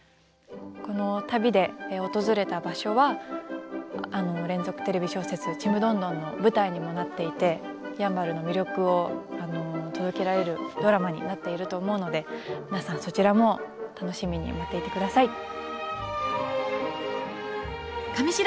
この旅で訪れた場所は連続テレビ小説「ちむどんどん」の舞台にもなっていてやんばるの魅力を届けられるドラマになっていると思うので皆さんそちらも楽しみに待っていてください。